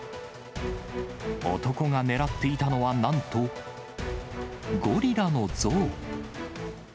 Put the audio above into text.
男が狙っていたのは、なんとゴリラの像。